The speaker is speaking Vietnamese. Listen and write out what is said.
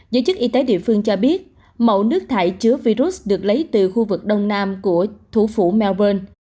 giới chức y tế địa phương cho biết mẫu nước thải chứa virus được lấy từ khu vực đông nam của thủ phủ melbourne